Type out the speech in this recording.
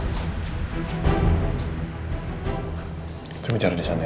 kita bicara di sana ya